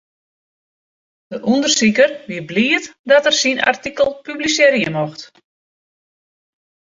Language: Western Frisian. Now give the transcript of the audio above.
De ûndersiker wie bliid dat er syn artikel publisearje mocht.